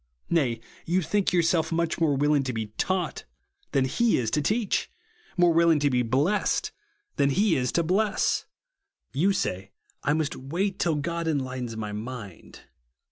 Nay, you think yourself much more willing to be taught than he is to teach ; more willing to be blest than he is to bless. You say, I must ^vait till God enlightens my mind.